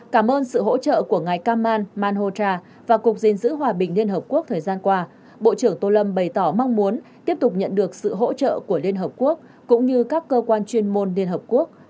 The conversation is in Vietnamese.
cảm ơn sự hỗ trợ của ngài cam man man hô tra và cục gìn giữ hòa bình liên hợp quốc thời gian qua bộ trưởng tô lâm bày tỏ mong muốn tiếp tục nhận được sự hỗ trợ của liên hợp quốc cũng như các cơ quan chuyên môn liên hợp quốc